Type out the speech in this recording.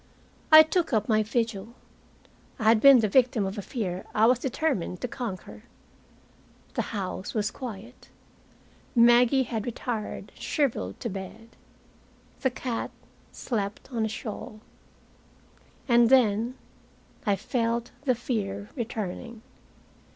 I took up my vigil. I had been the victim of a fear I was determined to conquer. The house was quiet. Maggie had retired shriveled to bed. The cat slept on the shawl. And then I felt the fear returning.